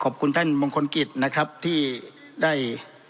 ขอบคุณท่านมงคลกิจนะครับที่ได้